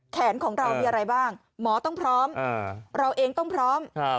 ของเรามีอะไรบ้างหมอต้องพร้อมเราเองต้องพร้อม